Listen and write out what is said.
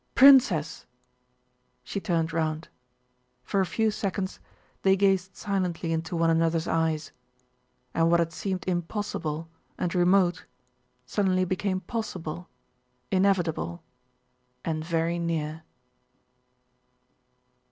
"Princess!" She turned round. For a few seconds they gazed silently into one another's eyes—and what had seemed impossible and remote suddenly became possible, inevitable, and very near.